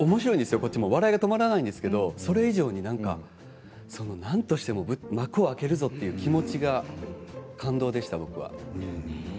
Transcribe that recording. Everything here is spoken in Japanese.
こっちも笑いが止まらないんですけど、それ以上になんとしても幕を開けるぞという気持ちが感動でした僕は。